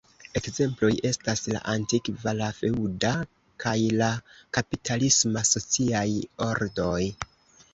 Ekzemploj estas la antikva, la feŭda, kaj la kapitalisma sociaj ordoj.